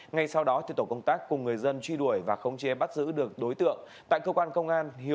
ngay sau đó thì tổ công tác cùng người dân